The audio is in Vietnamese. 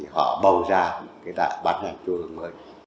họ bầu ra ban chấp hành trung ương mới